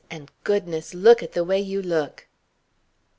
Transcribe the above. And goodness, look at the way you look!"